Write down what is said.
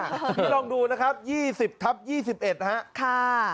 พี่ลองดูนะครับยี่สิบทับยี่สิบเอ็ดนะฮะค่ะ